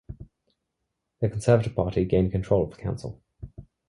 The Conservative Party gained control of the Council.